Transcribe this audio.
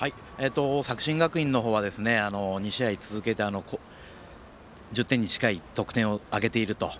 作新学院の方は２試合続けて１０点に近い得点を挙げていると。